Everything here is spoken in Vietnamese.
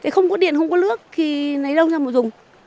không có điện không có nước thì lấy đâu ra mà dùng